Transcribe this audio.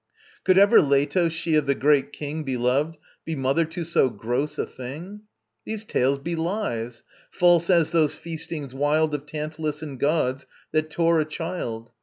Could ever Leto, she of the great King Beloved, be mother to so gross a thing? These tales be lies, false as those feastings wild Of Tantalus and Gods that tore a child.